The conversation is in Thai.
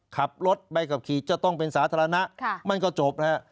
ขับรถใบขับขี่จะต้องเป็นสาธารณะมันก็จบนะฮะ